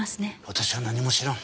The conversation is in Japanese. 私は何も知らん。